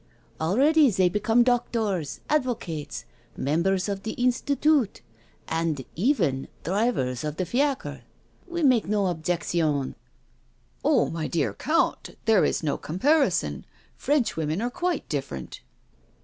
Already they become doctors — advocates— members of the Institute— and even drivers of the fiacres! We make no objections." " Oh, my dear Count, there is no comparison • French women are quite different.